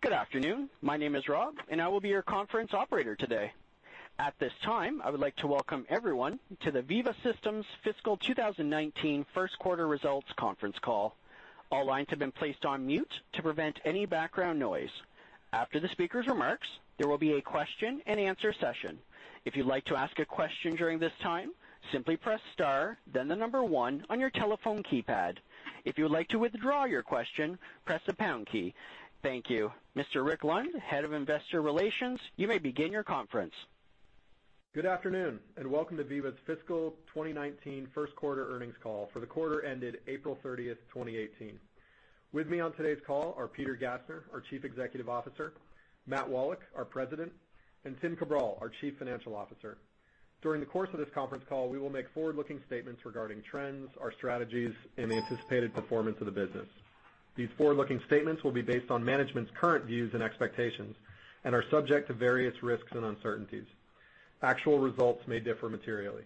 Good afternoon. My name is Rob, and I will be your conference operator today. At this time, I would like to welcome everyone to the Veeva Systems Fiscal 2019 First Quarter Results Conference Call. All lines have been placed on mute to prevent any background noise. After the speaker's remarks, there will be a question-and-answer session. If you'd like to ask a question during this time, simply press star then the number one on your telephone keypad. If you would like to withdraw your question, press the pound key. Thank you. Mr. Rick Lund, Head of Investor Relations, you may begin your conference. Good afternoon. Welcome to Veeva's Fiscal 2019 First Quarter Earnings Call for the quarter ended April 30, 2018. With me on today's call are Peter Gassner, our Chief Executive Officer, Matt Wallach, our President, and Tim Cabral, our Chief Financial Officer. During the course of this conference call, we will make forward-looking statements regarding trends, our strategies, and the anticipated performance of the business. These forward-looking statements will be based on management's current views and expectations and are subject to various risks and uncertainties. Actual results may differ materially.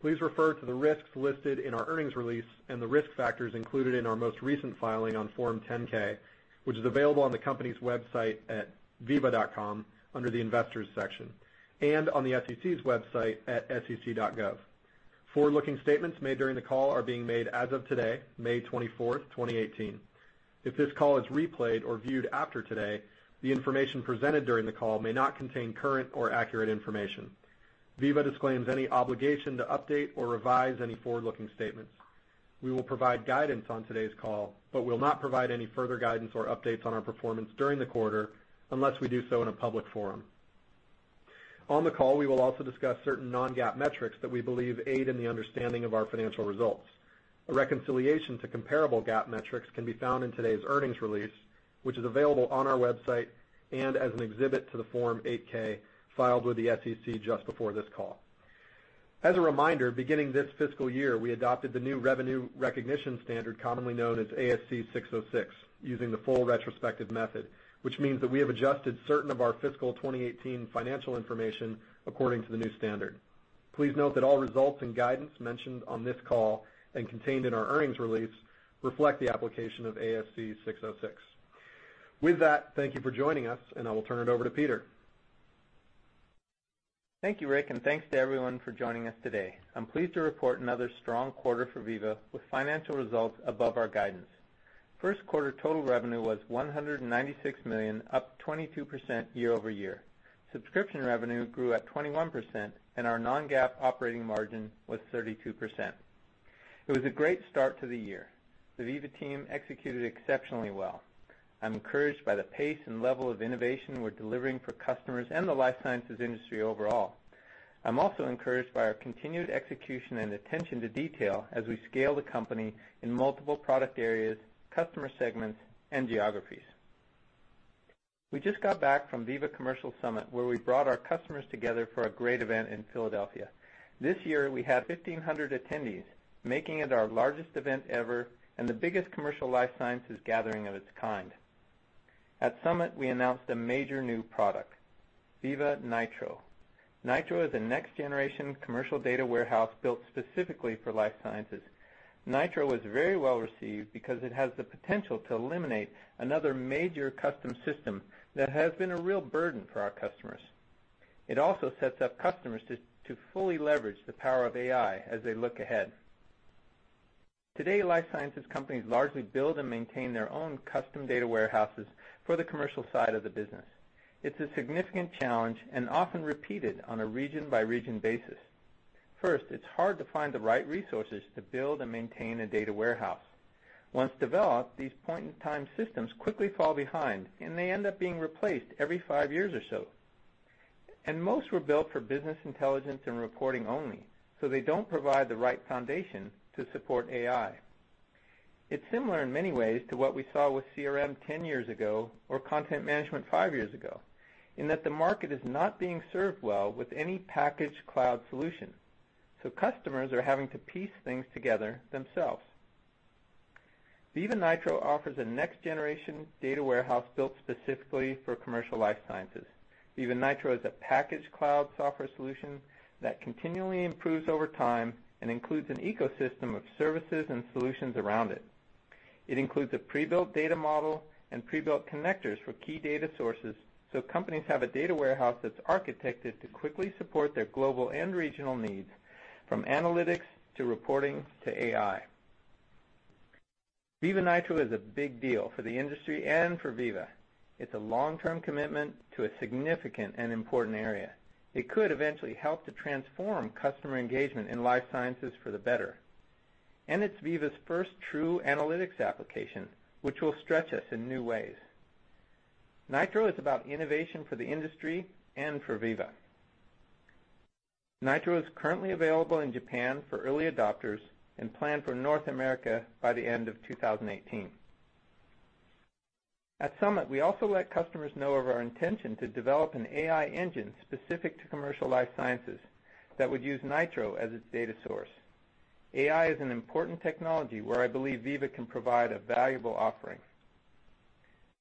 Please refer to the risks listed in our earnings release and the risk factors included in our most recent filing on Form 10-K, which is available on the company's website at veeva.com under the Investors section and on the SEC's website at sec.gov. Forward-looking statements made during the call are being made as of today, May 24, 2018. If this call is replayed or viewed after today, the information presented during the call may not contain current or accurate information. Veeva disclaims any obligation to update or revise any forward-looking statements. We will provide guidance on today's call, but will not provide any further guidance or updates on our performance during the quarter unless we do so in a public forum. On the call, we will also discuss certain non-GAAP metrics that we believe aid in the understanding of our financial results. A reconciliation to comparable GAAP metrics can be found in today's earnings release, which is available on our website and as an exhibit to the Form 8-K filed with the SEC just before this call. As a reminder, beginning this fiscal year, we adopted the new revenue recognition standard commonly known as ASC 606 using the full retrospective method, which means that we have adjusted certain of our fiscal 2018 financial information according to the new standard. Please note that all results and guidance mentioned on this call and contained in our earnings release reflect the application of ASC 606. With that, thank you for joining us, and I will turn it over to Peter. Thank you, Rick, and thanks to everyone for joining us today. I'm pleased to report another strong quarter for Veeva with financial results above our guidance. First quarter total revenue was $196 million, up 22% YoY. Subscription revenue grew at 21%, and our non-GAAP operating margin was 32%. It was a great start to the year. The Veeva team executed exceptionally well. I'm encouraged by the pace and level of innovation we're delivering for customers and the life sciences industry overall. I'm also encouraged by our continued execution and attention to detail as we scale the company in multiple product areas, customer segments, and geographies. We just got back from Veeva Commercial Summit, where we brought our customers together for a great event in Philadelphia. This year, we had 1,500 attendees, making it our largest event ever and the biggest commercial life sciences gathering of its kind. At Summit, we announced a major new product, Veeva Nitro. Nitro is a next-generation commercial data warehouse built specifically for life sciences. Nitro was very well received because it has the potential to eliminate another major custom system that has been a real burden for our customers. It also sets up customers to fully leverage the power of AI as they look ahead. Today, life sciences companies largely build and maintain their own custom data warehouses for the commercial side of the business. It's a significant challenge and often repeated on a region-by-region basis. First, it's hard to find the right resources to build and maintain a data warehouse. Once developed, these point-in-time systems quickly fall behind. They end up being replaced every 5 years or so. Most were built for business intelligence and reporting only, so they don't provide the right foundation to support AI. It's similar in many ways to what we saw with CRM 10 years ago or content management 5 years ago, in that the market is not being served well with any packaged cloud solution. Customers are having to piece things together themselves. Veeva Nitro offers a next-generation data warehouse built specifically for commercial life sciences. Veeva Nitro is a packaged cloud software solution that continually improves over time and includes an ecosystem of services and solutions around it. It includes a pre-built data model and pre-built connectors for key data sources so companies have a data warehouse that's architected to quickly support their global and regional needs from analytics to reporting to AI. Veeva Nitro is a big deal for the industry and for Veeva. It's a long-term commitment to a significant and important area. It could eventually help to transform customer engagement in life sciences for the better. It's Veeva's first true analytics application, which will stretch us in new ways. Nitro is about innovation for the industry and for Veeva. Nitro is currently available in Japan for early adopters and planned for North America by the end of 2018. At Summit, we also let customers know of our intention to develop an AI engine specific to commercial life sciences that would use Nitro as its data source. AI is an important technology where I believe Veeva can provide a valuable offering.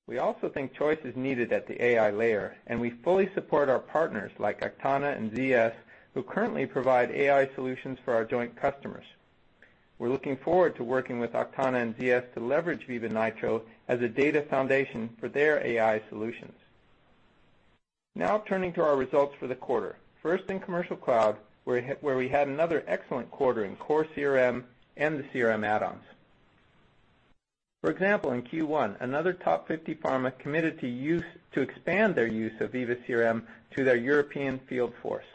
We also think choice is needed at the AI layer, and we fully support our partners like Axtria and ZS, who currently provide AI solutions for our joint customers. We're looking forward to working with Axtria and ZS to leverage Veeva Nitro as a data foundation for their AI solutions. Turning to our results for the quarter. First, in Commercial Cloud, where we had another excellent quarter in core CRM and the CRM add-ons. For example, in Q1, another top 50 pharma committed to expand their use of Veeva CRM to their European field force.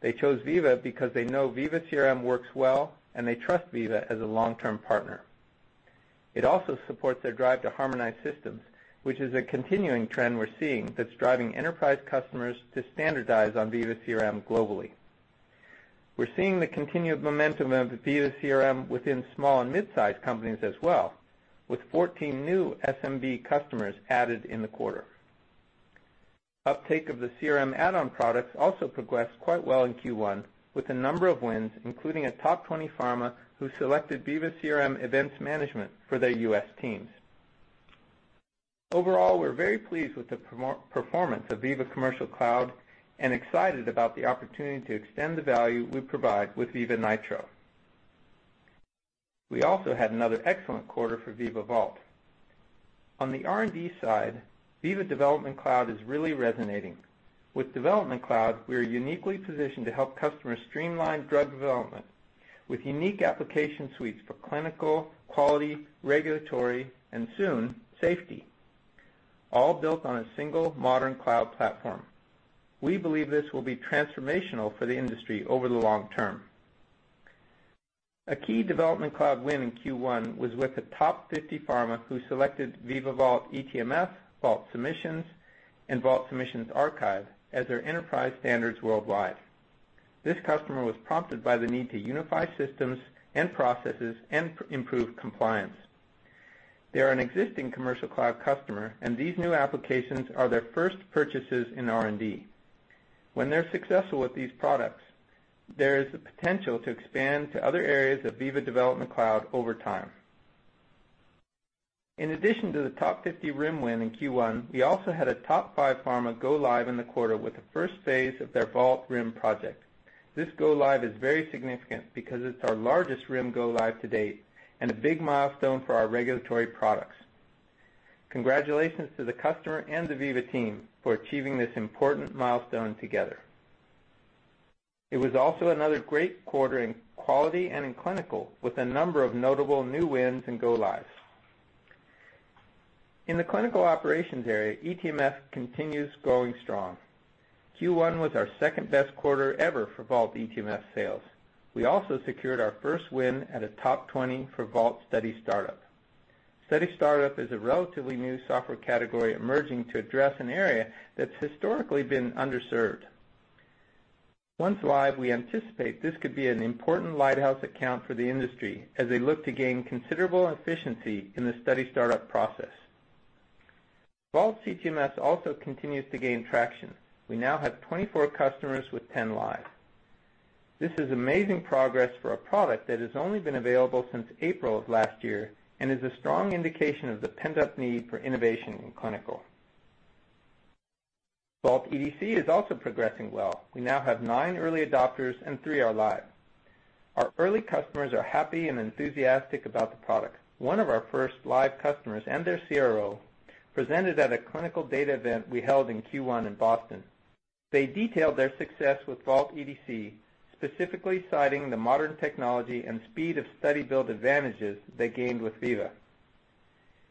They chose Veeva because they know Veeva CRM works well, and they trust Veeva as a long-term partner. It also supports their drive to harmonize systems, which is a continuing trend we're seeing that's driving enterprise customers to standardize on Veeva CRM globally. We're seeing the continued momentum of Veeva CRM within small and mid-sized companies as well, with 14 new SMB customers added in the quarter. Uptake of the CRM add-on products also progressed quite well in Q1, with a number of wins, including a top-20 pharma who selected Veeva CRM Events Management for their U.S. teams. Overall, we're very pleased with the performance of Veeva Commercial Cloud and excited about the opportunity to extend the value we provide with Veeva Nitro. We also had another excellent quarter for Veeva Vault. On the R&D side, Veeva Development Cloud is really resonating. With Development Cloud, we are uniquely positioned to help customers streamline drug development with unique application suites for clinical, quality, regulatory, and soon, safety, all built on a single modern cloud platform. We believe this will be transformational for the industry over the long term. A key Development Cloud win in Q1 was with a top-50 pharma who selected Veeva Vault eTMF, Vault Submissions, and Vault Submissions Archive as their enterprise standards worldwide. This customer was prompted by the need to unify systems and processes and improve compliance. They're an existing Commercial Cloud customer, and these new applications are their first purchases in R&D. When they're successful with these products, there is the potential to expand to other areas of Veeva Development Cloud over time. In addition to the top 50 RIM win in Q1, we also had a top-five pharma go live in the quarter with the first phase of their Vault RIM project. This go-live is very significant because it's our largest RIM go-live to date and a big milestone for our regulatory products. Congratulations to the customer and the Veeva team for achieving this important milestone together. It was also another great quarter in quality and in clinical, with a number of notable new wins and go-lives. In the clinical operations area, eTMF continues going strong. Q1 was our second-best quarter ever for Vault eTMF sales. We also secured our first win at a top 20 for Vault Study Startup. Study Startup is a relatively new software category emerging to address an area that's historically been underserved. Once live, we anticipate this could be an important lighthouse account for the industry as they look to gain considerable efficiency in the study startup process. Vault CTMS also continues to gain traction. We now have 24 customers with 10 live. This is amazing progress for a product that has only been available since April of last year and is a strong indication of the pent-up need for innovation in clinical. Vault EDC is also progressing well. We now have nine early adopters and three are live. Our early customers are happy and enthusiastic about the product. One of our first live customers and their CRO presented at a clinical data event we held in Q1 in Boston. They detailed their success with Vault EDC, specifically citing the modern technology and speed of study build advantages they gained with Veeva.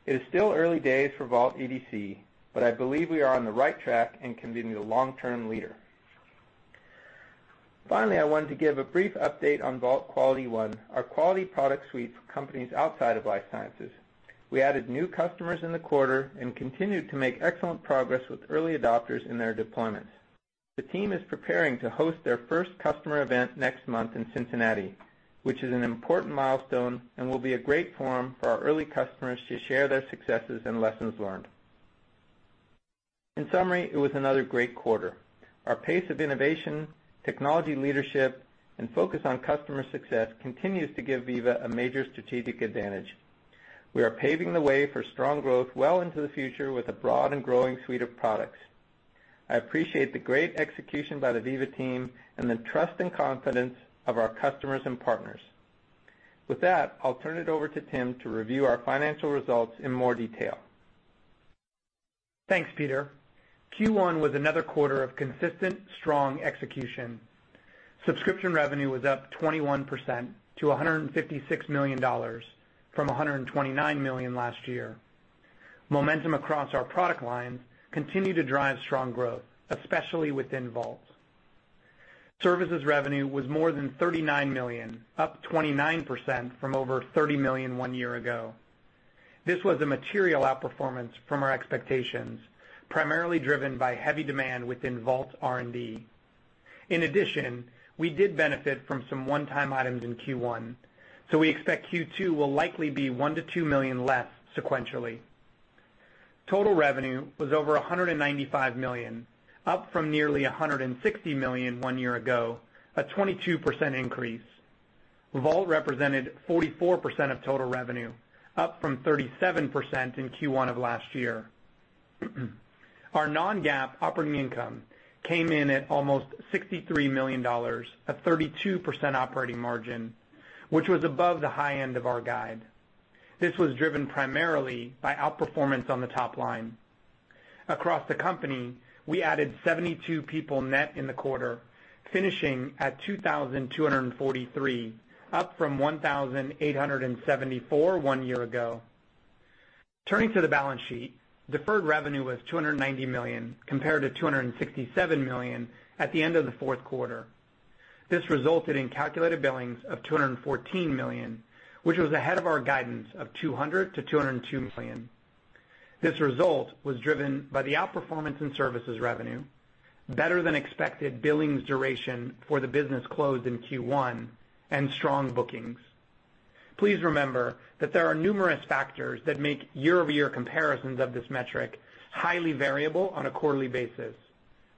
It is still early days for Vault EDC. I believe we are on the right track and can be the long-term leader. Finally, I wanted to give a brief update on Vault QualityOne, our quality product suite for companies outside of life sciences. We added new customers in the quarter and continued to make excellent progress with early adopters in their deployments. The team is preparing to host their first customer event next month in Cincinnati, which is an important milestone and will be a great forum for our early customers to share their successes and lessons learned. In summary, it was another great quarter. Our pace of innovation, technology leadership, and focus on customer success continues to give Veeva a major strategic advantage. We are paving the way for strong growth well into the future with a broad and growing suite of products. I appreciate the great execution by the Veeva team and the trust and confidence of our customers and partners. With that, I'll turn it over to Tim to review our financial results in more detail. Thanks, Peter. Q1 was another quarter of consistent, strong execution. Subscription revenue was up 21% to $156 million from $129 million last year. Momentum across our product lines continued to drive strong growth, especially within Vault. Services revenue was more than $39 million, up 29% from over $30 million one year ago. This was a material outperformance from our expectations, primarily driven by heavy demand within Vault R&D. In addition, we did benefit from some one-time items in Q1, we expect Q2 will likely be $1 million-$2 million less sequentially. Total revenue was over $195 million, up from nearly $160 million one year ago, a 22% increase. Vault represented 44% of total revenue, up from 37% in Q1 of last year. Our non-GAAP operating income came in at almost $63 million, a 32% operating margin, which was above the high end of our guide. This was driven primarily by outperformance on the top line. Across the company, we added 72 people net in the quarter, finishing at 2,243, up from 1,874 one year ago. Turning to the balance sheet, deferred revenue was $290 million compared to $267 million at the end of the fourth quarter. This resulted in calculated billings of $214 million, which was ahead of our guidance of $200 million-$202 million. This result was driven by the outperformance in services revenue, better than expected billings duration for the business closed in Q1, and strong bookings. Please remember that there are numerous factors that make YoY comparisons of this metric highly variable on a quarterly basis.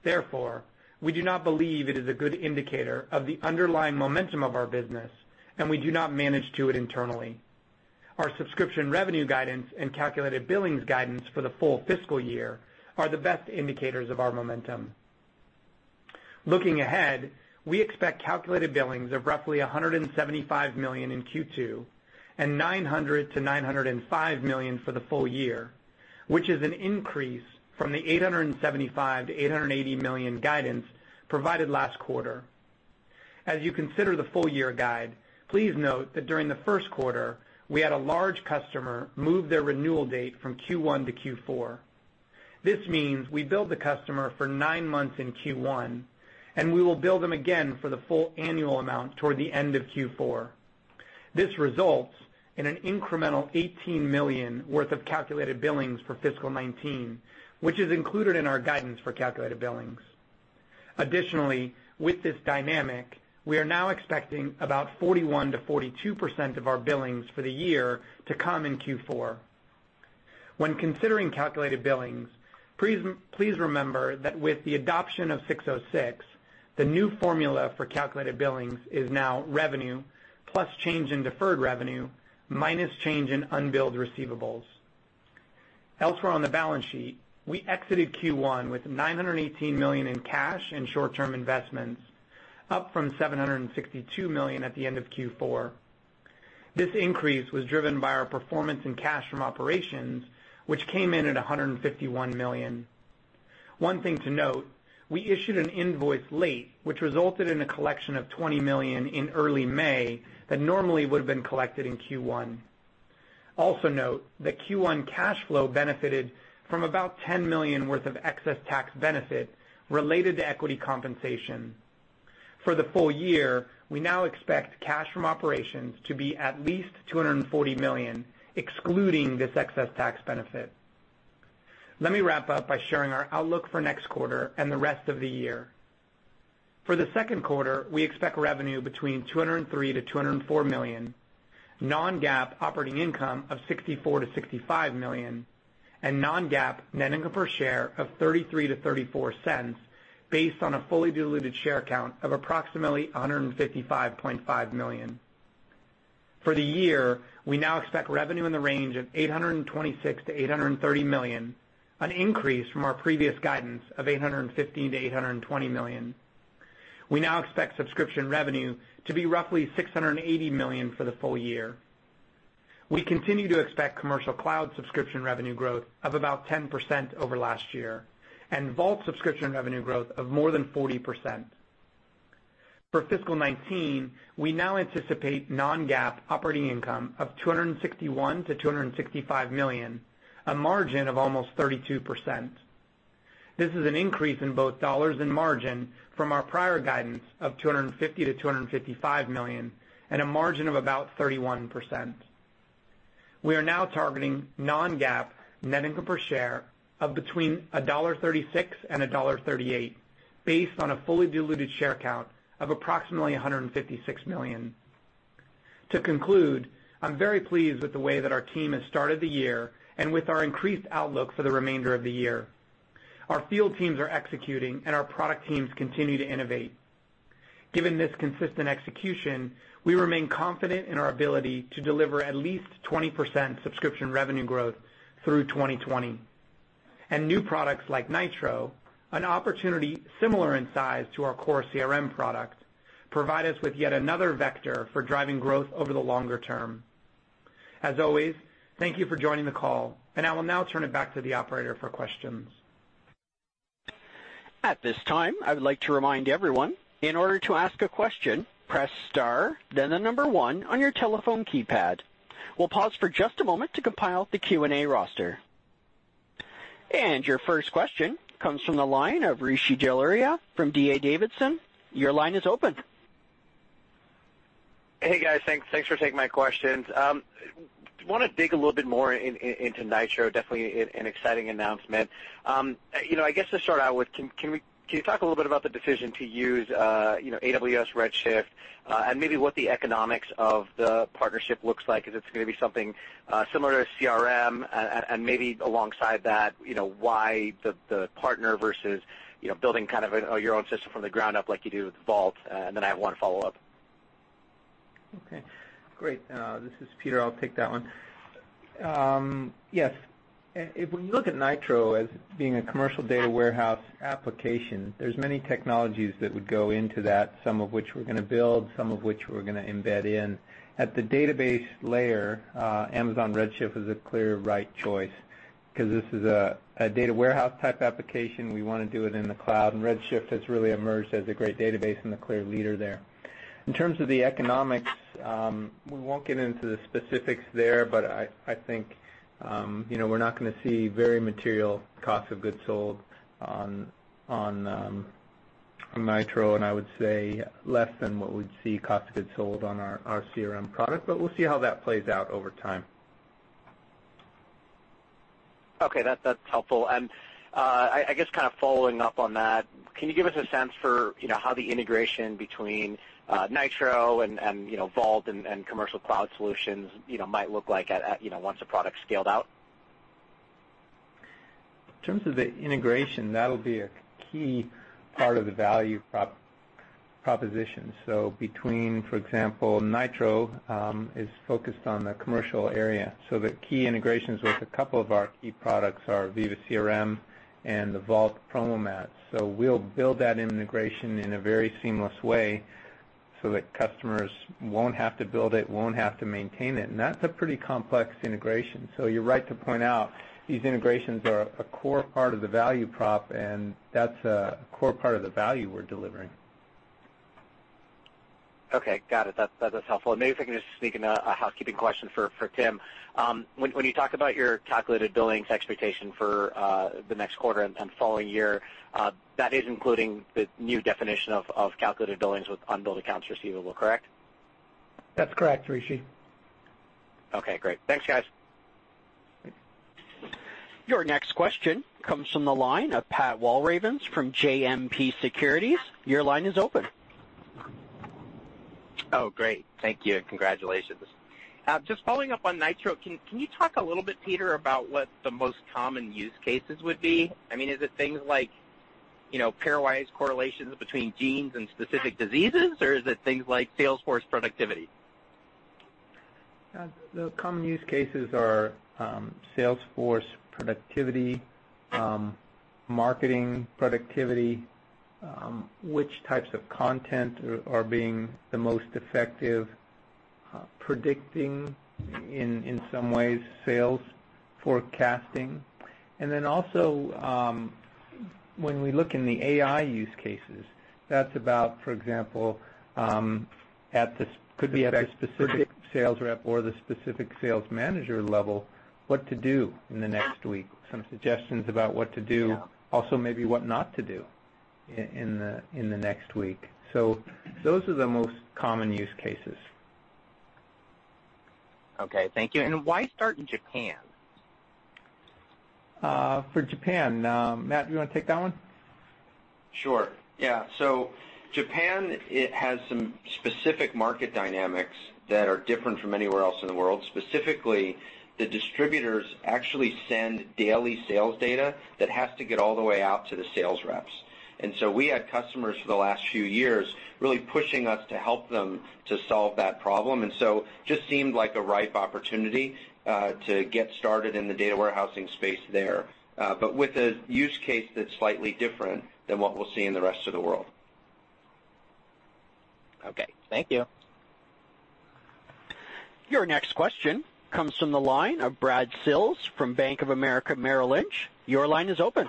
Therefore, we do not believe it is a good indicator of the underlying momentum of our business, and we do not manage to it internally. Our subscription revenue guidance and calculated billings guidance for the full fiscal year are the best indicators of our momentum. Looking ahead, we expect calculated billings of roughly $175 million in Q2 and $900 million-$905 million for the full year, which is an increase from the $875 million-$880 million guidance provided last quarter. As you consider the full-year guide, please note that during the 1st quarter, we had a large customer move their renewal date from Q1 to Q4. This means we billed the customer for nine months in Q1, and we will bill them again for the full annual amount toward the end of Q4. This results in an incremental $18 million worth of calculated billings for FY 2019, which is included in our guidance for calculated billings. With this dynamic, we are now expecting about 41%-42% of our billings for the year to come in Q4. Considering calculated billings, please remember that with the adoption of 606, the new formula for calculated billings is now revenue plus change in deferred revenue minus change in unbilled receivables. Elsewhere on the balance sheet, we exited Q1 with $918 million in cash and short-term investments, up from $762 million at the end of Q4. This increase was driven by our performance in cash from operations, which came in at $151 million. One thing to note, we issued an invoice late, which resulted in a collection of $20 million in early May that normally would've been collected in Q1. Also note that Q1 cash flow benefited from about $10 million worth of excess tax benefit related to equity compensation. For the full year, we now expect cash from operations to be at least $240 million, excluding this excess tax benefit. Let me wrap up by sharing our outlook for next quarter and the rest of the year. For the second quarter, we expect revenue between $203 million-$204 million, non-GAAP operating income of $64 million-$65 million, and non-GAAP net income per share of $0.33-$0.34 based on a fully diluted share count of approximately 155.5 million. For the year, we now expect revenue in the range of $826 million-$830 million, an increase from our previous guidance of $815 million-$820 million. We now expect subscription revenue to be roughly $680 million for the full year. We continue to expect Commercial Cloud subscription revenue growth of about 10% over last year and Vault subscription revenue growth of more than 40%. For fiscal 2019, we now anticipate non-GAAP operating income of $261 million-$265 million, a margin of almost 32%. This is an increase in both dollars and margin from our prior guidance of $250 million-$255 million and a margin of about 31%. We are now targeting non-GAAP net income per share of between $1.36 and $1.38 based on a fully diluted share count of approximately 156 million. To conclude, I'm very pleased with the way that our team has started the year and with our increased outlook for the remainder of the year. Our field teams are executing, and our product teams continue to innovate. Given this consistent execution, we remain confident in our ability to deliver at least 20% subscription revenue growth through 2020. New products like Nitro, an opportunity similar in size to our core CRM product, provide us with yet another vector for driving growth over the longer term. As always, thank you for joining the call, and I will now turn it back to the operator for questions. At this time, I would like to remind everyone, in order to ask a question, press star, then the number one on your telephone keypad. We'll pause for just a moment to compile the Q&A roster. Your first question comes from the line of Rishi Jaluria from D.A. Davidson. Your line is open. Hey, guys. Thanks for taking my questions. Wanna dig a little bit more into Nitro. Definitely an exciting announcement. You know, I guess to start out with, can you talk a little bit about the decision to use, you know, AWS Redshift, and maybe what the economics of the partnership looks like? Is it gonna be something similar to CRM? Maybe alongside that, you know, why the partner versus, you know, building kind of your own system from the ground up like you do with Vault? I have one follow-up. Great. This is Peter, I'll take that one. Yes, if we look at Veeva Nitro as being a commercial data warehouse application, there's many technologies that would go into that, some of which we're gonna build, some of which we're gonna embed in. At the database layer, Amazon Redshift is a clear right choice 'cause this is a data warehouse-type application. We wanna do it in the cloud, Redshift has really emerged as a great database and the clear leader there. In terms of the economics, we won't get into the specifics there, but I think, you know, we're not gonna see very material cost of goods sold on Veeva Nitro, I would say less than what we'd see cost of goods sold on our CRM product. We'll see how that plays out over time. Okay, that's helpful. I guess kind of following up on that, can you give us a sense for, you know, how the integration between Nitro and, you know, Vault and Commercial Cloud solutions, you know, might look like at, you know, once a product's scaled out? In terms of the integration, that'll be a key part of the value proposition. Between, for example, Nitro is focused on the commercial area, so the key integrations with a couple of our key products are Veeva CRM and the Vault PromoMats. We'll build that integration in a very seamless way so that customers won't have to build it, won't have to maintain it, and that's a pretty complex integration. You're right to point out these integrations are a core part of the value prop, and that's a core part of the value we're delivering. Okay, got it. That's helpful. Maybe if I can just sneak in a housekeeping question for Tim. When you talk about your calculated billings expectation for the next quarter and following year, that is including the new definition of calculated billings with unbilled accounts receivable, correct? That's correct, Rishi. Okay, great. Thanks, guys. Your next question comes from the line of Pat Walravens from JMP Securities. Your line is open. Great. Thank you, and congratulations. Just following up on Nitro, can you talk a little bit, Peter, about what the most common use cases would be? I mean, is it things like, you know, pairwise correlations between genes and specific diseases, or is it things like sales force productivity? The common use cases are sales force productivity, marketing productivity, which types of content are being the most effective, predicting in some ways, sales forecasting. When we look in the AI use cases, that's about, for example, at the specific sales rep or the specific sales manager level, what to do in the next week, some suggestions about what to do, also maybe what not to do in the next week. Those are the most common use cases. Okay, thank you. Why start in Japan? For Japan, Matt, do you wanna take that one? Sure. Yeah. Japan, it has some specific market dynamics that are different from anywhere else in the world. Specifically, the distributors actually send daily sales data that has to get all the way out to the sales reps. We had customers for the last few years really pushing us to help them to solve that problem. Just seemed like a ripe opportunity to get started in the data warehousing space there, but with a use case that's slightly different than what we'll see in the rest of the world. Okay. Thank you. Your next question comes from the line of Brad Sills from Bank of America Merrill Lynch. Your line is open.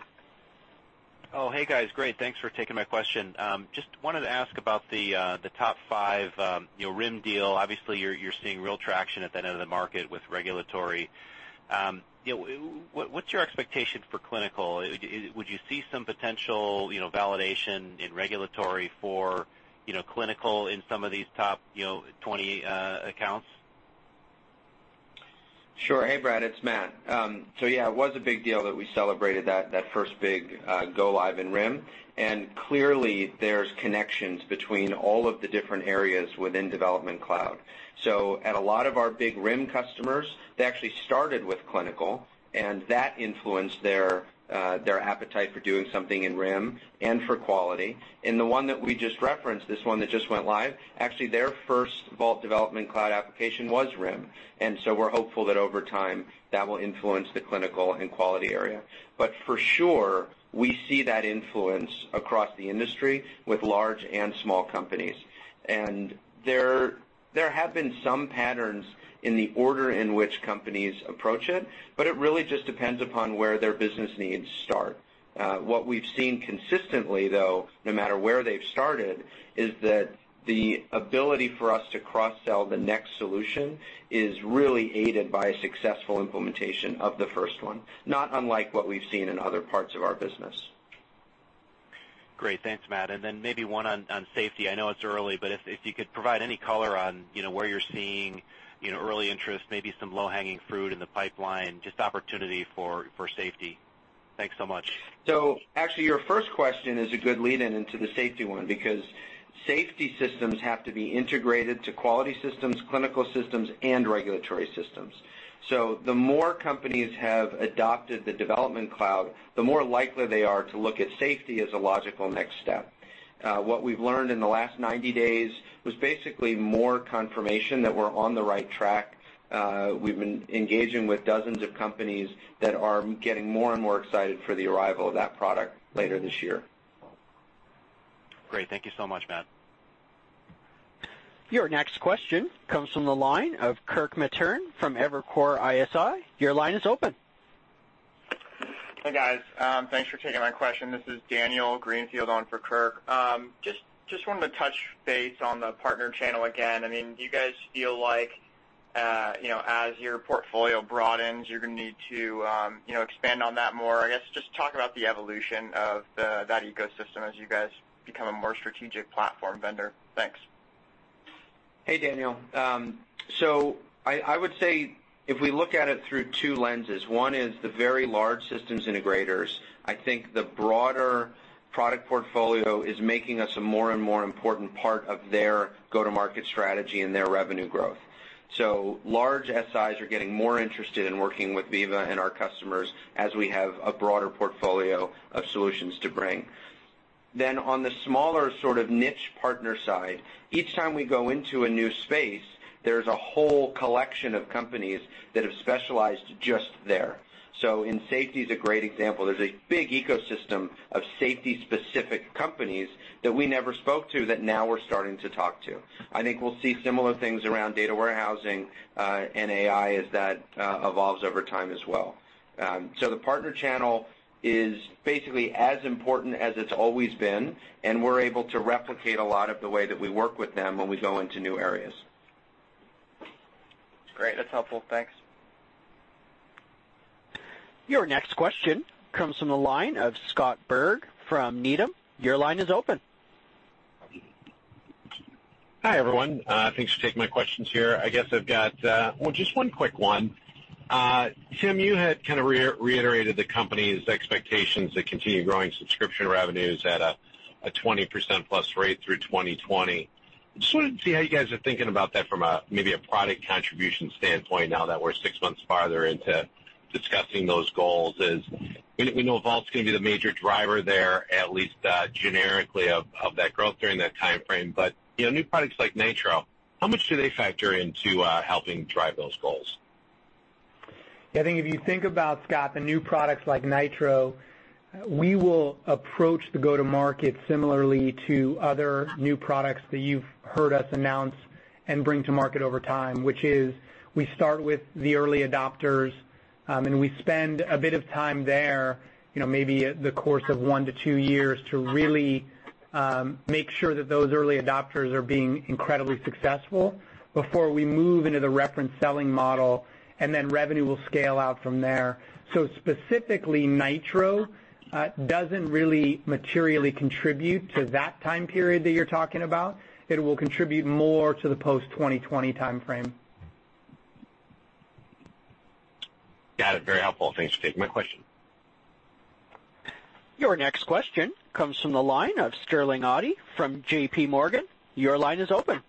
Oh, hey, guys. Great. Thanks for taking my question. just wanted to ask about the top five, you know, RIM deal. Obviously, you're seeing real traction at that end of the market with regulatory. you know, what's your expectation for clinical? would you see some potential, you know, validation in regulatory for, you know, clinical in some of these top, you know, 20 accounts? Sure. Hey, Brad, it's Matt. Yeah, it was a big deal that we celebrated that first big go live in RIM. Clearly, there's connections between all of the different areas within Development Cloud. At a lot of our big RIM customers, they actually started with clinical, and that influenced their appetite for doing something in RIM and for quality. In the one that we just referenced, this one that just went live, actually their first Vault Development Cloud application was RIM. We're hopeful that over time, that will influence the clinical and quality area. For sure, we see that influence across the industry with large and small companies. There, there have been some patterns in the order in which companies approach it, but it really just depends upon where their business needs start. What we've seen consistently, though, no matter where they've started, is that the ability for us to cross-sell the next solution is really aided by a successful implementation of the first one, not unlike what we've seen in other parts of our business. Great. Thanks, Matt. Then maybe one on safety. I know it's early, but if you could provide any color on, you know, where you're seeing, you know, early interest, maybe some low-hanging fruit in the pipeline, just opportunity for safety. Thanks so much. Actually, your first question is a good lead-in into the safety one because safety systems have to be integrated to quality systems, clinical systems, and regulatory systems. The more companies have adopted the Development Cloud, the more likely they are to look at safety as a logical next step. What we've learned in the last 90 days was basically more confirmation that we're on the right track. We've been engaging with dozens of companies that are getting more and more excited for the arrival of that product later this year. Great. Thank you so much, Matt. Your next question comes from the line of Kirk Materne from Evercore ISI. Your line is open. Hey, guys. Thanks for taking my question. This is Daniel Greenfield on for Kirk. Just wanted to touch base on the partner channel again. I mean, do you guys feel like, you know, as your portfolio broadens, you're gonna need to, you know, expand on that more? I guess just talk about the evolution of that ecosystem as you guys become a more strategic platform vendor. Thanks. Hey, Daniel. I would say if we look at it through two lenses, one is the very large systems integrators. I think the broader product portfolio is making us a more and more important part of their go-to-market strategy and their revenue growth. Large SIs are getting more interested in working with Veeva and our customers as we have a broader portfolio of solutions to bring. On the smaller sort of niche partner side, each time we go into a new space, there's a whole collection of companies that have specialized just there. And safety is a great example. There's a big ecosystem of safety-specific companies that we never spoke to that now we're starting to talk to. I think we'll see similar things around data warehousing and AI as that evolves over time as well. The partner channel is basically as important as it's always been, and we're able to replicate a lot of the way that we work with them when we go into new areas. Great. That's helpful. Thanks. Your next question comes from the line of Scott Berg from Needham. Your line is open. Hi, everyone. Thanks for taking my questions here. I guess I've got, well, just one quick one. Tim, you had kinda reiterated the company's expectations to continue growing subscription revenues at a 20%+ rate through 2020. Just wanted to see how you guys are thinking about that from a, maybe a product contribution standpoint now that we're six months farther into discussing those goals. We know Vault's gonna be the major driver there, at least, generically of that growth during that timeframe. You know, new products like Nitro, how much do they factor into helping drive those goals? I think if you think about, Scott, the new products like Nitro, we will approach the go-to-market similarly to other new products that you've heard us announce and bring to market over time, which is we start with the early adopters, and we spend a bit of time there, you know, maybe the course of one to two years, to really make sure that those early adopters are being incredibly successful before we move into the reference selling model, and then revenue will scale out from there. Specifically, Nitro, doesn't really materially contribute to that time period that you're talking about. It will contribute more to the post-2020 timeframe. Got it. Very helpful. Thanks for taking my question. Your next question comes from the line of Sterling Auty from JPMorgan. Your line is open.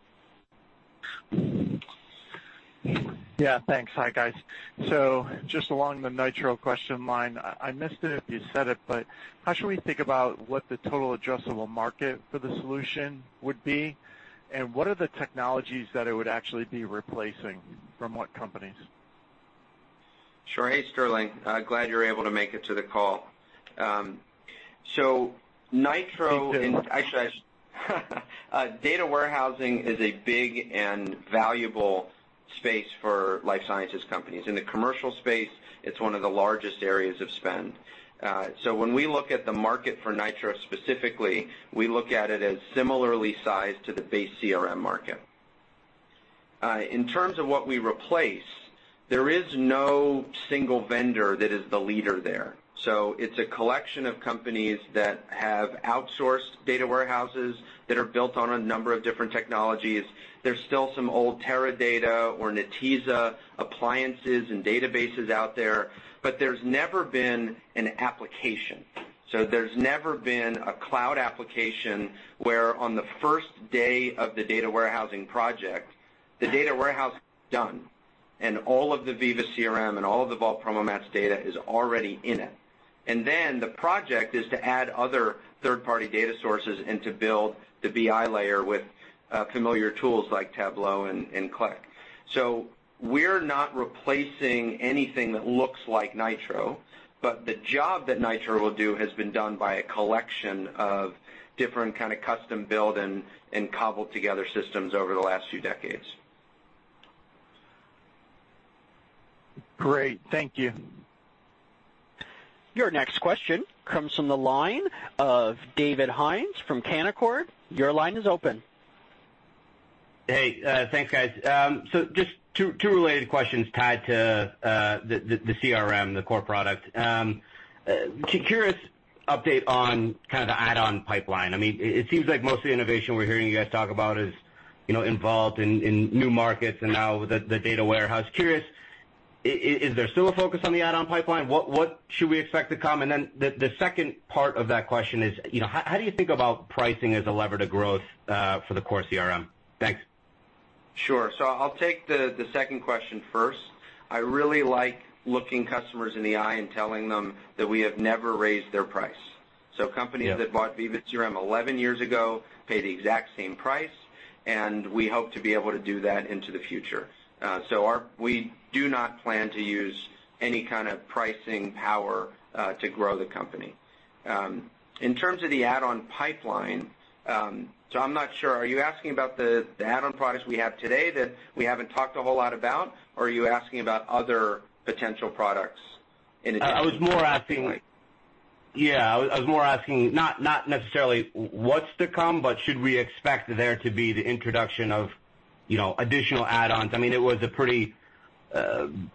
Yeah, thanks. Hi, guys. Just along the Nitro question line, I missed it if you said it, but how should we think about what the total adjustable market for the solution would be? What are the technologies that it would actually be replacing, from what companies? Sure. Hey, Sterling. Glad you were able to make it to the call. Data warehousing is a big and valuable space for life sciences companies. In the commercial space, it's one of the largest areas of spend. When we look at the market for Nitro specifically, we look at it as similarly sized to the base CRM market. In terms of what we replace, there is no single vendor that is the leader there. It's a collection of companies that have outsourced data warehouses that are built on a number of different technologies. There's still some old Teradata or Netezza appliances and databases out there. There's never been an application. There's never been a cloud application where on the first day of the data warehousing project, the data warehouse done, and all of the Veeva CRM and all of the Vault PromoMats data is already in it. The project is to add other third-party data sources and to build the BI layer with familiar tools like Tableau and Qlik. We're not replacing anything that looks like Nitro, but the job that Nitro will do has been done by a collection of different kinda custom-built and cobbled together systems over the last few decades. Great. Thank you. Your next question comes from the line of David Hynes from Canaccord. Your line is open. Hey. Thanks, guys. Just two related questions tied to the CRM, the core product. Curious update on kind of the add-on pipeline. I mean, it seems like most of the innovation we're hearing you guys talk about is, you know, involved in new markets and now the data warehouse. Curious, is there still a focus on the add-on pipeline? What should we expect to come? The second part of that question is, you know, how do you think about pricing as a lever to growth for the core CRM? Thanks. Sure. I'll take the second question first. I really like looking customers in the eye and telling them that we have never raised their price. Yeah. Companies that bought Veeva CRM 11 years ago pay the exact same price, and we hope to be able to do that into the future. We do not plan to use any kind of pricing power to grow the company. In terms of the add-on pipeline, I'm not sure. Are you asking about the add-on products we have today that we haven't talked a whole lot about? Are you asking about other potential products in addition to I was more asking not necessarily what's to come, but should we expect there to be the introduction of, you know, additional add-ons? I mean, it was a pretty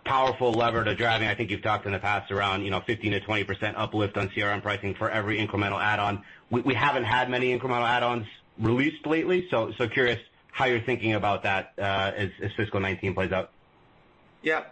powerful lever to driving. I think you've talked in the past around, you know, 15%-20% uplift on CRM pricing for every incremental add-on. We haven't had many incremental add-ons released lately, so curious how you're thinking about that as fiscal 2019 plays out. Yeah.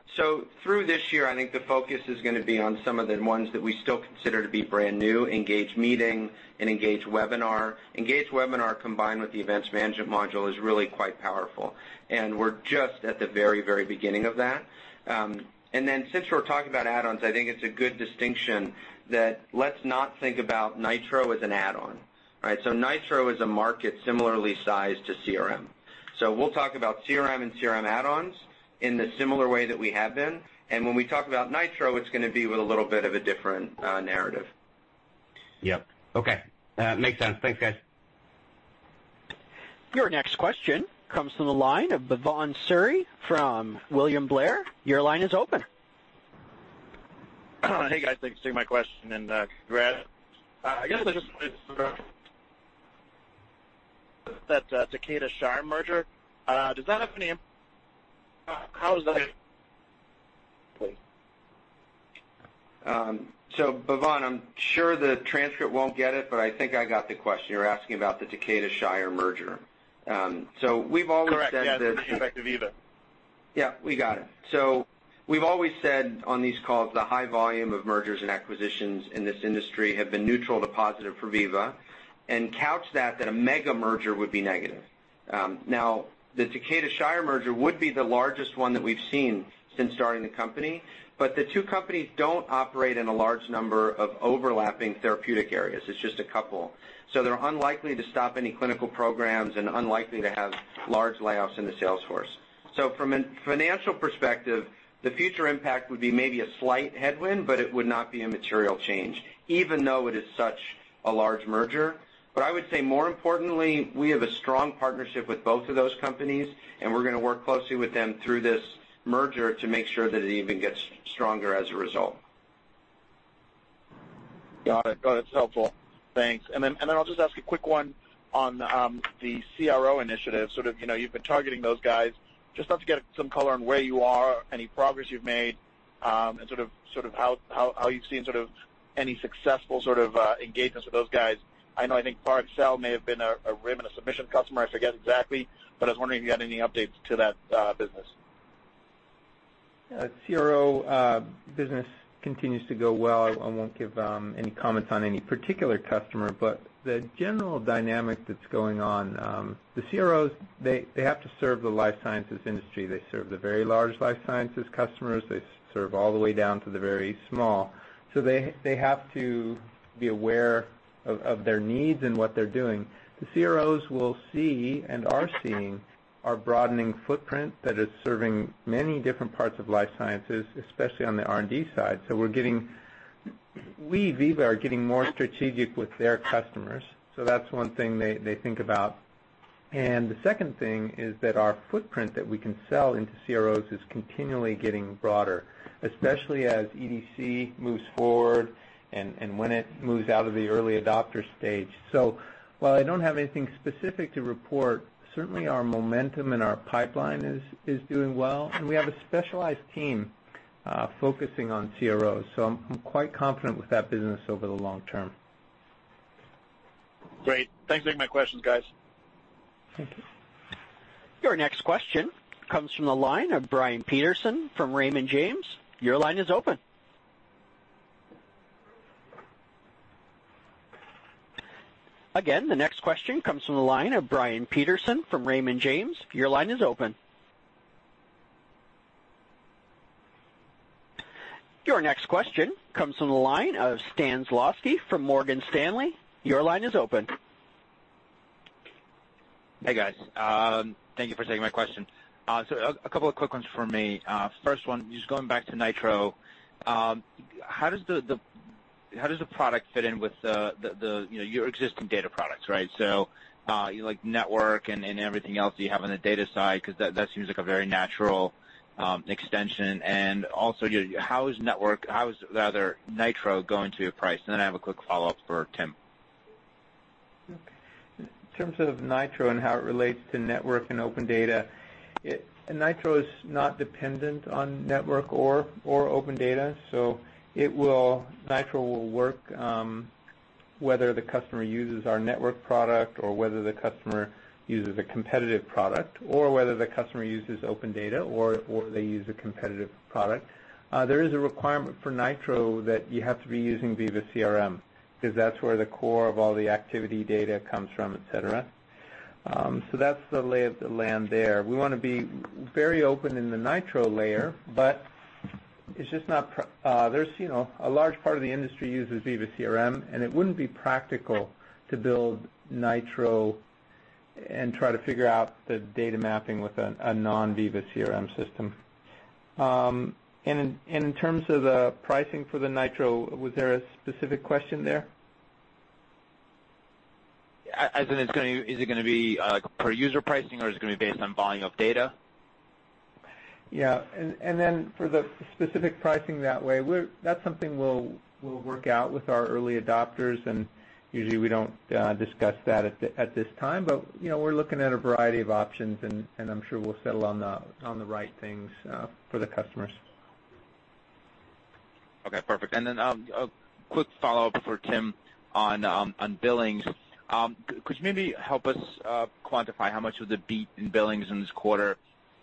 Through this year, I think the focus is gonna be on some of the ones that we still consider to be brand new, Engage Meeting and Engage Webinar. Engage Webinar combined with the Events Management module is really quite powerful, and we're just at the very, very beginning of that. Since we're talking about add-ons, I think it's a good distinction that let's not think about Nitro as an add-on. Right? Nitro is a market similarly sized to CRM. We'll talk about CRM and CRM add-ons in the similar way that we have been, and when we talk about Nitro, it's gonna be with a little bit of a different narrative. Yep. Okay. Makes sense. Thanks, guys. Your next question comes from the line of Bhavan Suri from William Blair. Your line is open. Hey, guys. Thanks for taking my question. Brad, I guess this is that Takeda Shire merger. Bhavan, I'm sure the transcript won't get it, but I think I got the question. You're asking about the Takeda Shire merger. Correct. Yeah. The effect of Veeva. Yeah, we got it. We've always said on these calls the high volume of mergers and acquisitions in this industry have been neutral to positive for Veeva and couched that a mega merger would be negative. Now, the Takeda Shire merger would be the largest one that we've seen since starting the company. The two companies don't operate in a large number of overlapping therapeutic areas. It's just a couple. They're unlikely to stop any clinical programs and unlikely to have large layoffs in the sales force. From a financial perspective, the future impact would be maybe a slight headwind, but it would not be a material change, even though it is such a large merger. I would say more importantly, we have a strong partnership with both of those companies, and we're gonna work closely with them through this merger to make sure that it even gets stronger as a result. Got it. It's helpful. Thanks. Then I'll just ask a quick one on the CRO initiative. Sort of, you know, you've been targeting those guys. Just love to get some color on where you are, any progress you've made, and sort of how you've seen sort of any successful sort of engagements with those guys. I know I think Parexel may have been a RIM and Submissions customer. I forget exactly, but I was wondering if you had any updates to that business. CRO business continues to go well. I won't give any comments on any particular customer, but the general dynamic that's going on, the CROs, they have to serve the life sciences industry. They serve the very large life sciences customers. They serve all the way down to the very small. They have to be aware of their needs and what they're doing. The CROs will see and are seeing our broadening footprint that is serving many different parts of life sciences, especially on the R&D side. We're getting We, Veeva, are getting more strategic with their customers, that's one thing they think about. The second thing is that our footprint that we can sell into CROs is continually getting broader, especially as EDC moves forward and when it moves out of the early adopter stage. While I don't have anything specific to report, certainly our momentum and our pipeline is doing well, and we have a specialized team focusing on CRO. I'm quite confident with that business over the long term. Great. Thanks for taking my questions, guys. Thank you. Your next question comes from the line of Brian Peterson from Raymond James. Your line is open. Your next question comes from the line of Stan Zlotsky from Morgan Stanley. Your line is open. Hey, guys. Thank you for taking my question. A couple of quick ones from me. First one, just going back to Nitro. How does the product fit in with the, you know, your existing data products, right? Like Network and everything else that you have on the data side, 'cause that seems like a very natural extension. How is, rather, Nitro going to price? I have a quick follow-up for Tim. In terms of Nitro and how it relates to Network and OpenData, Nitro is not dependent on Network or OpenData, so Nitro will work whether the customer uses our Network product or whether the customer uses a competitive product or whether the customer uses OpenData or they use a competitive product. There is a requirement for Nitro that you have to be using Veeva CRM because that's where the core of all the activity data comes from, et cetera. That's the lay of the land there. We wanna be very open in the Nitro layer. There's, you know, a large part of the industry uses Veeva CRM, and it wouldn't be practical to build Nitro and try to figure out the data mapping with a non-Veeva CRM system. In terms of the pricing for the Nitro, was there a specific question there? As in, is it gonna be per user pricing or is it gonna be based on volume of data? Yeah. For the specific pricing that way, that's something we'll work out with our early adopters and usually we don't discuss that at this time. You know, we're looking at a variety of options and I'm sure we'll settle on the right things for the customers. Okay. Perfect. A quick follow-up for Tim on billings. Could you maybe help us quantify how much of the beat in billings in this quarter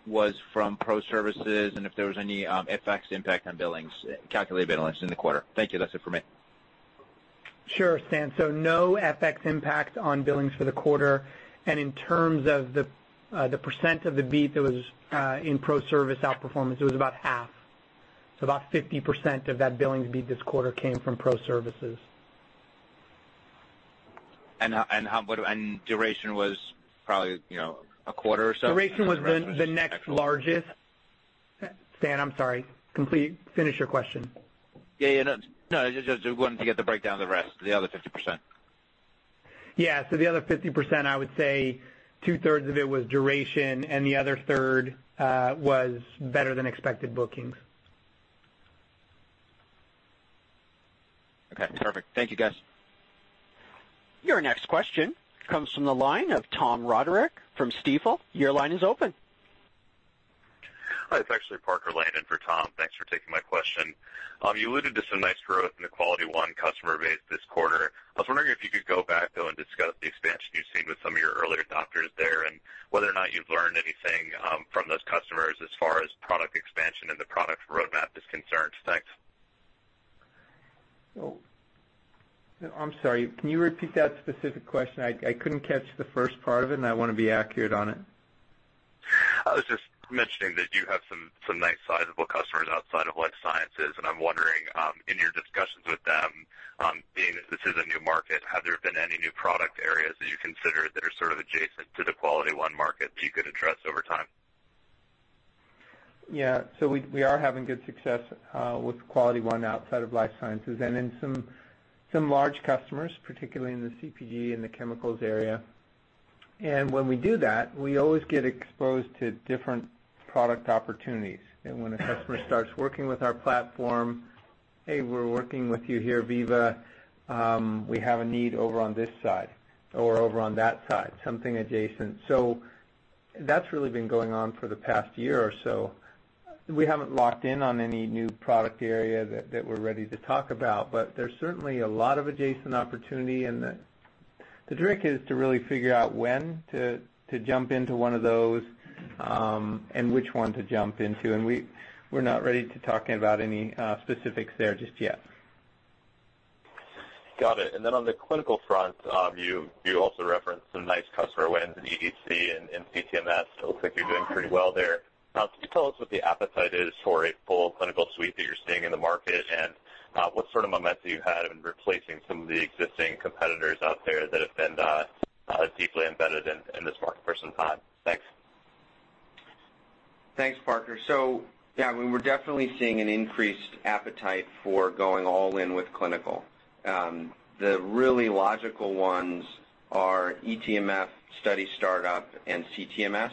was from pro services and if there was any FX impact on billings, calculated billings in the quarter? Thank you. That's it for me. Sure, Stan. No FX impact on billings for the quarter. In terms of the percent of the beat that was in pro service outperformance, it was about half. About 50% of that billings beat this quarter came from pro services. Duration was probably, you know, a quarter or so? Duration was the next largest Stan, I'm sorry. Finish your question. Yeah, yeah. No, no, just wanting to get the breakdown of the rest, the other 50%. Yeah. The other 50%, I would say 2/3 of it was duration and the other third was better than expected bookings. Okay. Perfect. Thank you, guys. Your next question comes from the line of Tom Roderick from Stifel. Your line is open. Hi. It's actually Parker Lane for Tom. Thanks for taking my question. You alluded to some nice growth in the QualityOne customer base this quarter. I was wondering if you could go back, though, and discuss the expansion you've seen with some of your early adopters there and whether or not you've learned anything, from those customers as far as product expansion and the product roadmap is concerned. Thanks. I'm sorry. Can you repeat that specific question? I couldn't catch the first part of it and I wanna be accurate on it. I was just mentioning that you have some nice sizable customers outside of life sciences, and I'm wondering, in your discussions with them, being that this is a new market, have there been any new product areas that you consider that are sort of adjacent to the QualityOne market that you could address over time? Yeah. We are having good success with QualityOne outside of life sciences and in some large customers, particularly in the CPG and the chemicals area. When we do that, we always get exposed to different product opportunities. When a customer starts working with our platform, "Hey, we're working with you here at Veeva, we have a need over on this side or over on that side," something adjacent. That's really been going on for the past year or so. We haven't locked in on any new product area that we're ready to talk about, but there's certainly a lot of adjacent opportunity and the trick is to really figure out when to jump into one of those and which one to jump into. We're not ready to talk about any specifics there just yet. Got it. On the clinical front, you also referenced some nice customer wins in EDC and in CTMS. It looks like you're doing pretty well there. Can you tell us what the appetite is for a full clinical suite that you're seeing in the market and what sort of momentum you've had in replacing some of the existing competitors out there that have been deeply embedded in this market for some time? Thanks. Thanks, Parker. Yeah, we were definitely seeing an increased appetite for going all in with clinical. The really logical ones are eTMF, Study Startup, and CTMS.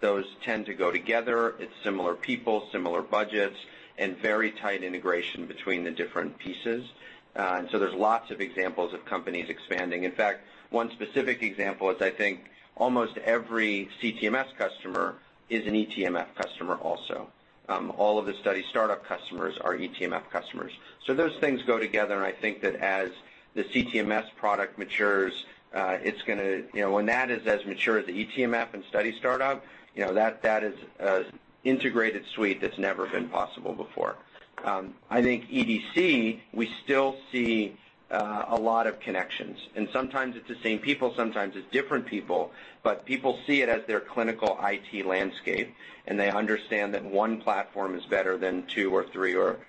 Those tend to go together. It's similar people, similar budgets, and very tight integration between the different pieces. There's lots of examples of companies expanding. In fact, one specific example is I think almost every CTMS customer is an eTMF customer also. All of the Study Startup customers are eTMF customers. Those things go together, and I think that as the CTMS product matures, You know, when that is as mature as the eTMF and Study Startup, you know, that is a integrated suite that's never been possible before. I think EDC, we still see a lot of connections, and sometimes it's the same people, sometimes it's different people, but people see it as their clinical IT landscape, and they understand that one platform is better than two or three or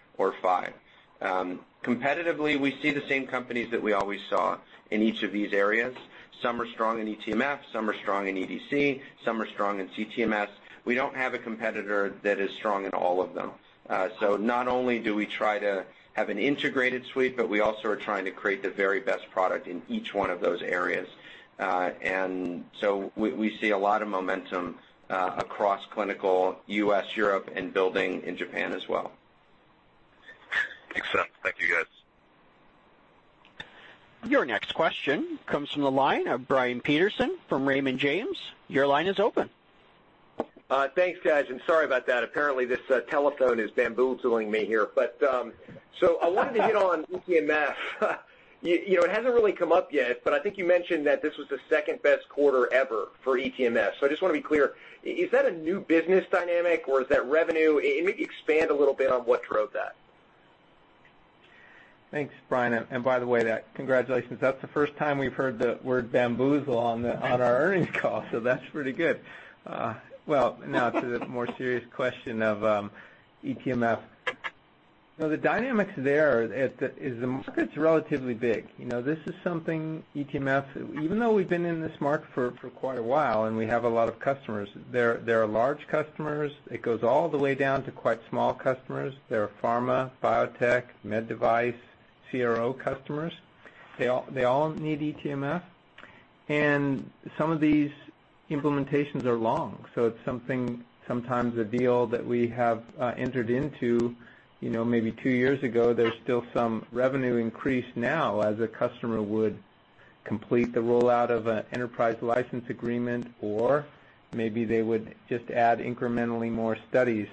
five. Competitively, we see the same companies that we always saw in each of these areas. Some are strong in eTMF, some are strong in EDC, some are strong in CTMS. We don't have a competitor that is strong in all of them. Not only do we try to have an integrated suite, but we also are trying to create the very best product in each one of those areas. We see a lot of momentum across clinical, U.S., Europe, and building in Japan as well. Makes sense. Thank you, guys. Your next question comes from the line of Brian Peterson from Raymond James. Your line is open. Thanks, guys, and sorry about that. Apparently, this telephone is bamboozling me here. I wanted to hit on eTMF. You know, it hasn't really come up yet, but I think you mentioned that this was the second-best quarter ever for eTMF. I just wanna be clear, is that a new business dynamic or is that revenue? Maybe expand a little bit on what drove that. Thanks, Brian. By the way, congratulations, that's the first time we've heard the word bamboozle on our earnings call, that's pretty good. Well, now to the more serious question of eTMF. You know, the dynamics there is the market's relatively big. You know, this is something eTMF, even though we've been in this market for quite a while, and we have a lot of customers, there are large customers. It goes all the way down to quite small customers. There are pharma, biotech, med device, CRO customers. They all need eTMF. Some of these implementations are long, so it's something sometimes a deal that we have, entered into, you know, maybe two years ago, there's still some revenue increase now as a customer would complete the rollout of an enterprise license agreement, or maybe they would just add incrementally more studies.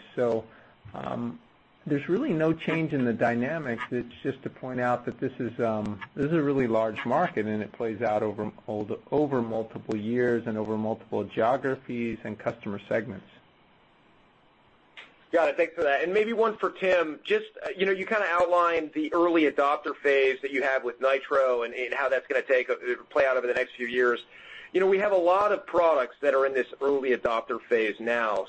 There's really no change in the dynamics. It's just to point out that this is, this is a really large market, and it plays out over multiple years and over multiple geographies and customer segments. Got it. Thanks for that. Maybe one for Tim. Just, you know, you kinda outlined the early adopter phase that you have with Nitro and how that's gonna play out over the next few years. You know, we have a lot of products that are in this early adopter phase now.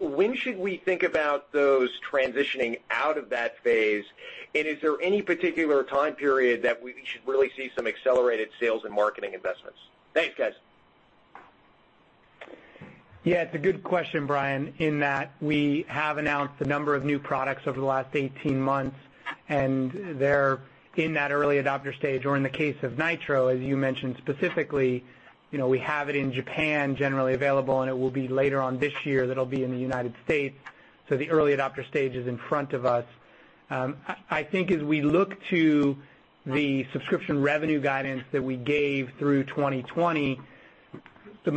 When should we think about those transitioning out of that phase? Is there any particular time period that we should really see some accelerated sales and marketing investments? Thanks, guys. Yeah, it's a good question, Brian, in that we have announced a number of new products over the last 18 months, and they're in that early adopter stage. In the case of Nitro, as you mentioned specifically, you know, we have it in Japan generally available, and it will be later on this year that it'll be in the U.S., so the early adopter stage is in front of us. I think as we look to the subscription revenue guidance that we gave through 2020, the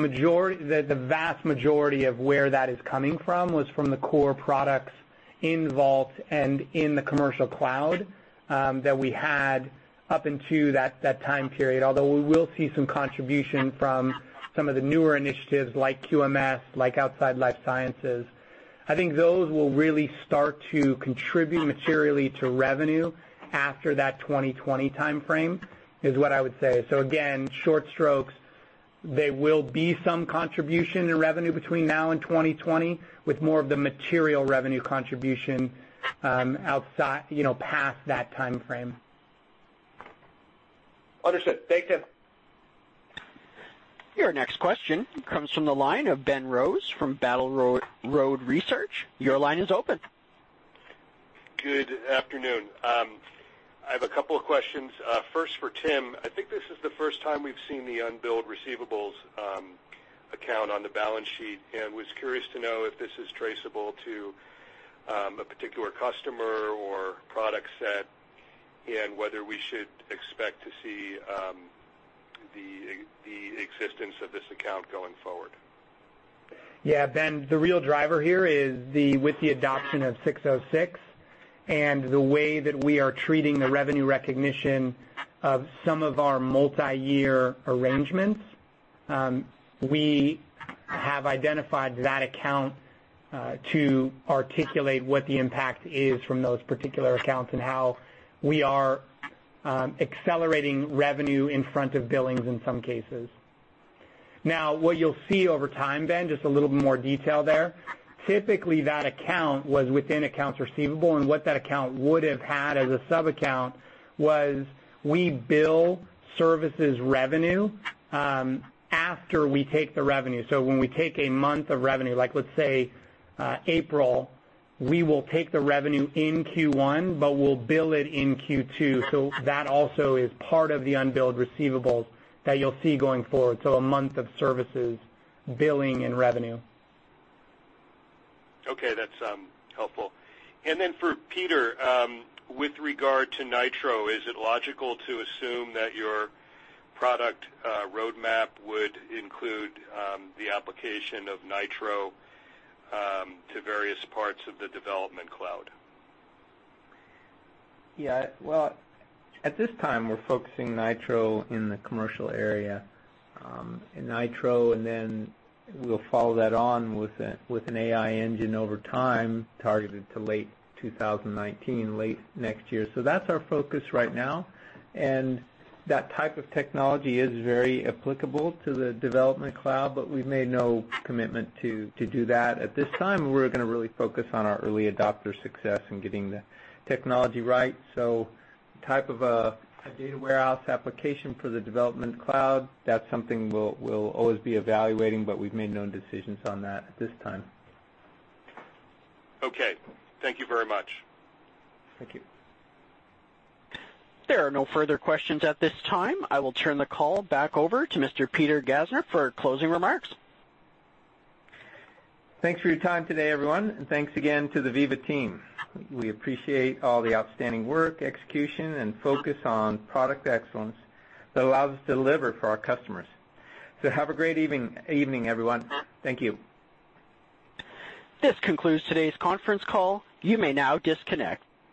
vast majority of where that is coming from was from the core products in Vault and in the Commercial Cloud, that we had up until that time period. We will see some contribution from some of the newer initiatives like QMS, like outside life sciences. I think those will really start to contribute materially to revenue after that 2020 timeframe, is what I would say. Again, short strokes, there will be some contribution in revenue between now and 2020 with more of the material revenue contribution, outside, you know, past that timeframe. Understood. Thanks, Tim. Your next question comes from the line of Ben Rose from Battle Road Research. Good afternoon. I have a couple of questions. First for Tim. I think this is the first time we've seen the unbilled receivables account on the balance sheet and was curious to know if this is traceable to a particular customer or product set and whether we should expect to see the existence of this account going forward. Yeah, Ben, the real driver here is the, with the adoption of ASC 606 and the way that we are treating the revenue recognition of some of our multi-year arrangements. We have identified that account to articulate what the impact is from those particular accounts and how we are accelerating revenue in front of billings in some cases. Now, what you'll see over time, Ben, just a little bit more detail there. Typically, that account was within accounts receivable, and what that account would have had as a sub-account was we bill services revenue after we take the revenue. When we take a month of revenue, like, let's say, April, we will take the revenue in Q1, but we'll bill it in Q2. That also is part of the unbilled receivables that you'll see going forward. A month of services billing and revenue. Okay, that's helpful. For Peter, with regard to Nitro, is it logical to assume that your product roadmap would include the application of Nitro to various parts of the Development Cloud? Yeah. Well, at this time we're focusing Nitro in the commercial area, Nitro and then we'll follow that on with an AI engine over time targeted to late 2019, late next year. That's our focus right now. That type of technology is very applicable to the Veeva Development Cloud, but we've made no commitment to do that at this time. We're gonna really focus on our early adopter success and getting the technology right. Type of a data warehouse application for the Veeva Development Cloud, that's something we'll always be evaluating, but we've made no decisions on that at this time. Okay. Thank you very much. Thank you. There are no further questions at this time. I will turn the call back over to Mr. Peter Gassner for closing remarks. Thanks for your time today, everyone, and thanks again to the Veeva team. We appreciate all the outstanding work, execution, and focus on product excellence that allows us to deliver for our customers. Have a great evening everyone. Thank you. This concludes today's conference call. You may now disconnect.